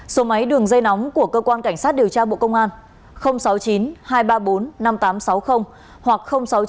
số máy đường dây nóng của cơ quan cảnh sát điều tra bộ công an sáu mươi chín hai trăm ba mươi bốn năm nghìn tám trăm sáu mươi hoặc sáu mươi chín hai trăm ba mươi một một nghìn sáu trăm bảy